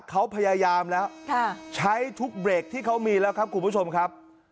เขาพยายามแล้วใช้ทุกเบรกที่เขามีแล้วครับคุณผู้ชมครับ